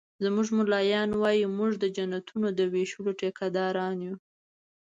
زموږ ملایان وایي مونږ د جنتونو د ویشلو ټيکه داران یو